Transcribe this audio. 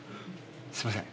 すいません。